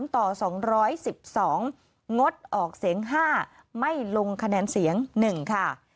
ต่อ๒๑๒งดออกเสียง๕ไม่ลงคะแนนเสียง๑ค่ะ